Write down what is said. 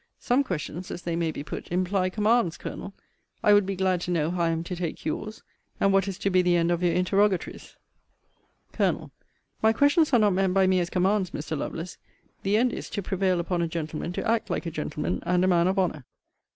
Some questions, as they may be put, imply commands, Colonel. I would be glad to know how I am to take your's? And what is to be the end of your interrogatories? Col. My questions are not meant by me as commands, Mr. Lovelace. The end is, to prevail upon a gentleman to act like a gentleman, and a man of honour.